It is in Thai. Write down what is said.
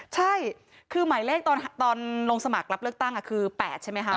ใช่คือหมายเลขตอนลงสมัครรับเลือกตั้งคือ๘ใช่ไหมคะ